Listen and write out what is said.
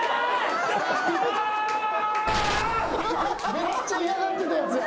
めっちゃ嫌がってたやつや。